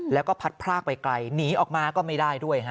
แล้วก็พัดพรากไปไกลหนีออกมาก็ไม่ได้ด้วยฮะ